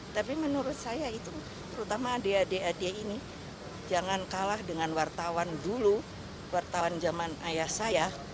tapi menurut saya itu terutama adik adik adik ini jangan kalah dengan wartawan dulu wartawan zaman ayah saya